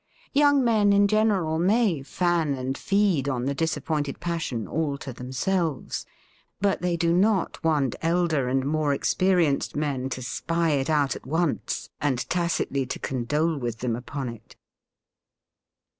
Young men in general may fan and feed on the disappointed passion all to themselves; but they do not want elder and more experienced men to spy it out at once and tacitly to condole with them upon it.